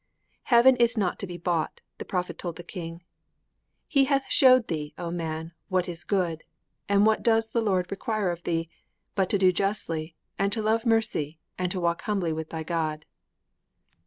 Heaven is not to be bought, the prophet told the king. '_He hath shewed thee, O man, what is good; and what does the Lord require of thee but to do justly and to love mercy and to walk humbly with thy God?